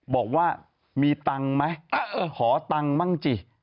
บอกว่ามีตังค์ไหมขอตังค์บ้างสิ